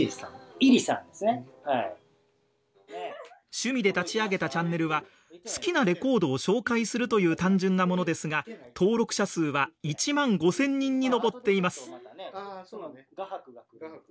趣味で立ち上げたチャンネルは好きなレコードを紹介するという単純なものですが登録者数は１万５，０００人に上っています。